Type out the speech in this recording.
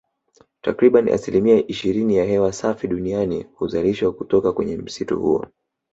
Takribani asilimia ishirini ya hewa safi duniani huzalishwa kutoka kwenye msitu huo